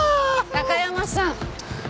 高山さん。